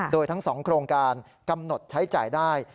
โดยทั้ง๒โครงการกำหนดใช้จ่ายได้